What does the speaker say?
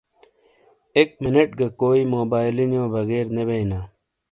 ای منیٹ گہ کوئی سنی موبائیلو نیو بغیر نے بیئینا۔